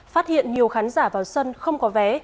phát hiện nhiều khán giả vào sân không có vé